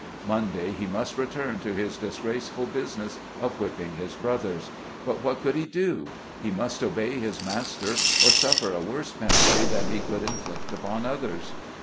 Monday, he must return to his disgrace ful business of whipping his fellows ; but what could he do ? He must obey his master, or suffer a worse penalty than he could inflict upon others.